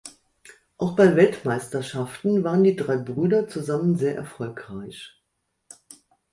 Auch bei Weltmeisterschaften waren die drei Brüder zusammen sehr erfolgreich.